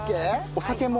お酒も。